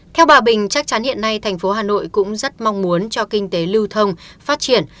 theo bà bình chắc chắn hiện nay thành phố hà nội cũng rất mong muốn cho kinh tế lưu thông phát triển